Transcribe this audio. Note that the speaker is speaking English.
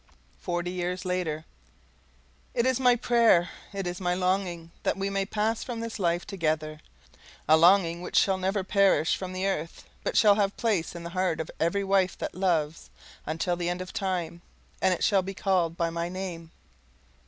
Forty Years Later It is my prayer, it is my longing, that we may pass from this life together a longing which shall never perish from the earth, but shall have place in the heart of every wife that loves, until the end of time; and it shall be called by my name.